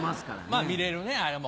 まぁ見れるねあれも。